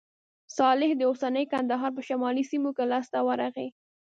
صالح د اوسني کندهار په شمالي سیمو کې لاسته ورغی.